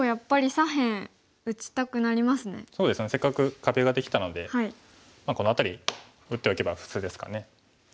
せっかく壁ができたのでこの辺り打っておけば普通ですかね。